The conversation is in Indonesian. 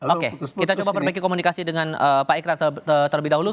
oke kita coba perbaiki komunikasi dengan pak ikrar terlebih dahulu